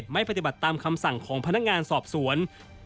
ไม่ปฏิบัติตามคำสั่งของพนักงานสอบสวน